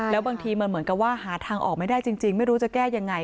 แล้วบางทีมันเหมือนกับว่าหาทางออกไม่ได้จริงไม่รู้จะแก้ยังไง